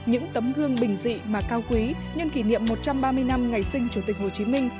hương bình dị mà cao quý nhân kỷ niệm một trăm ba mươi năm ngày sinh chủ tịch hồ chí minh